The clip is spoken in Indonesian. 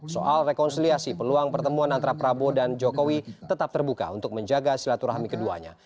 soal rekonsiliasi peluang pertemuan antara prabowo dan jokowi tetap terbuka untuk menjaga silaturahmi keduanya